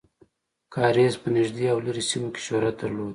کاریز په نږدې او لرې سیمو کې شهرت درلود.